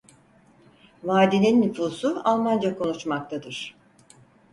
Vadinin nüfusu Almanca konuşmaktadır.